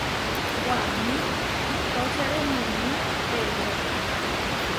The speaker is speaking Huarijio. Waní iʼtóčere muuní Pedró.